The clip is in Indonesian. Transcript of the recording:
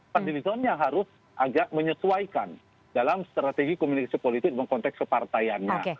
pada di zonnya harus agak menyesuaikan dalam strategi komunikasi politik dalam konteks kepartaiannya